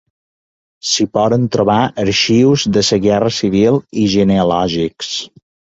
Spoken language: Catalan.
S'hi poden trobar arxius de la Guerra Civil i genealògics.